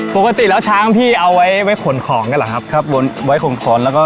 ปกติแล้วช้างพี่เอาไว้ไว้ขนของกันเหรอครับครับวนไว้ขนแล้วก็